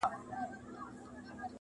دښمني به سره پاته وي کلونه-